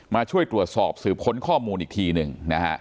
มาช่วยตรวจสอบสืบค้นข้อมูลอีกทีหนึ่งนะฮะ